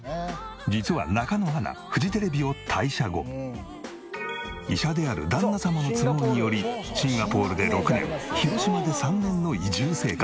実は中野アナ医者である旦那様の都合によりシンガポールで６年広島で３年の移住生活。